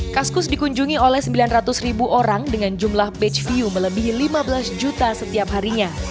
kaskus dikunjungi oleh sembilan ratus ribu orang dengan jumlah batch view melebihi lima belas juta setiap harinya